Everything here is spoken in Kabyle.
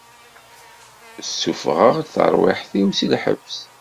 Ssufeɣ-d tarwiḥt-iw si lḥebs.